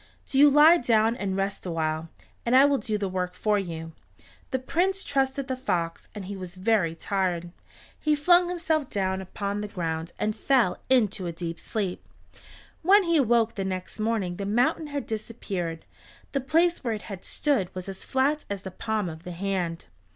Do you lie down and rest awhile, and I will do the work for you." The Prince trusted the fox, and he was very tired. He flung himself down upon the ground, and fell into a deep sleep. When he awoke the next morning the mountain had disappeared. The place where it had stood was as flat as the palm of the hand.